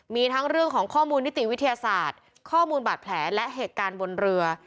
มีทั้งเรื่องของข้อมูลนิติวิทยาศาสตร์ข้อมูลบาดแผลและเหตุการณ์บนเรือ